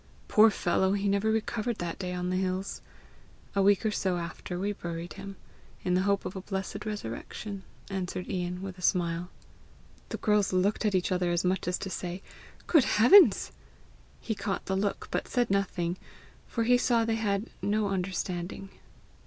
Poor fellow, he never recovered that day on the hills! A week or so after, we buried him in the hope of a blessed resurrection," added Ian, with a smile. The girls looked at each other as much as to say, "Good heavens!" He caught the look, but said nothing, for he saw they had "no understanding."